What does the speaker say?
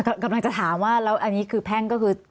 กำลังจะถามว่าอันนี้คือแพ็งก็คุกผู้กันได้